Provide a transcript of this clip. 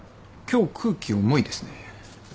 今日空気重いですね。